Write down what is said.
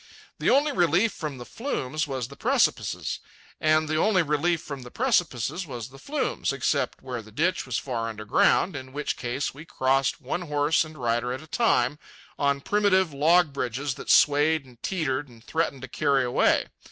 The only relief from the flumes was the precipices; and the only relief from the precipices was the flumes, except where the ditch was far under ground, in which case we crossed one horse and rider at a time, on primitive log bridges that swayed and teetered and threatened to carry away.